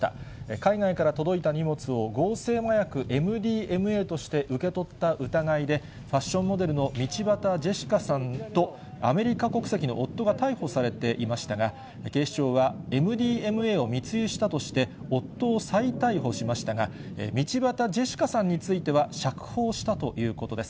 海外から届いた荷物を、合成麻薬ＭＤＭＡとして受け取った疑いで、ファッションモデルの道端ジェシカさんと、アメリカ国籍の夫が逮捕されていましたが、警視庁は、ＭＤＭＡを密輸したとして、夫を再逮捕しましたが、道端ジェシカさんについては釈放したということです。